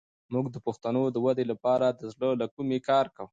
موږ د پښتو د ودې لپاره د زړه له کومې کار کوو.